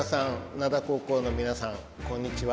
灘高校の皆さんこんにちは。